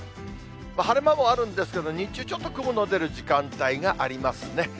晴れ間もあるんですけど、日中ちょっと雲の出る時間帯がありますね。